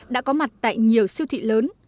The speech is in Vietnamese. đã có mặt tại nhiều siêu thị lớn